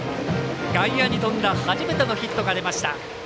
外野に飛んだ初めてのヒットが出ました。